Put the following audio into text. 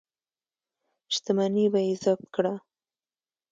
شتمني به یې ضبط کړه.